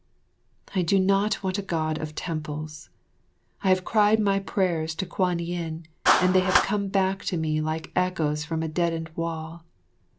I do not want a God of temples. I have cried my prayers to Kwan yin, and they have come back to me like echoes from a deadened wall.